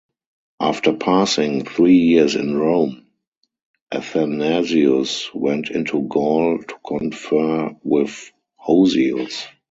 After passing three years in Rome, Athanasius went into Gaul to confer with Hosius.